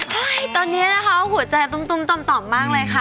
ตอนนี้นะคะหัวใจตุ้มต่อมมากเลยค่ะ